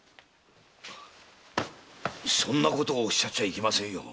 そんなことをおっしゃってはいけませんよ。